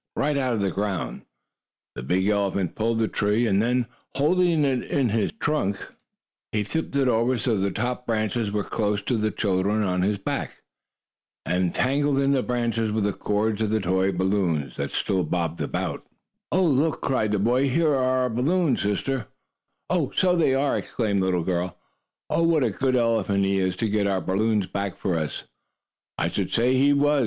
Right out of the ground the big elephant pulled the tree, and then, holding it in his strong trunk, he tipped it over so the top branches were close to the children on his back. And, tangled in the branches were the cords of the toy balloons, that still bobbed about. [Illustration: Right out of the ground the big elephant pulled the tree. Page 98] "Oh, look!" cried the boy. "Here are our balloons, sister!" "Oh, so they are!" exclaimed the little girl. "Oh, what a good elephant he is to get our balloons back for us!" "I should say he was!"